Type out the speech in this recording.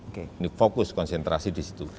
ini fokus konsentrasi di situ